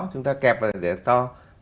chúng ta kẹp và để to